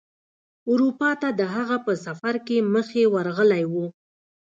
اروپا ته د هغه په سفر کې مخې ورغلی و.